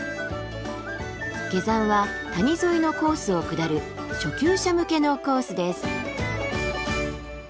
下山は谷沿いのコースを下る初級者向けのコースです。